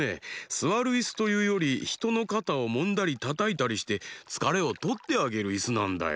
すわるイスというよりひとのかたをもんだりたたいたりしてつかれをとってあげるイスなんだよ。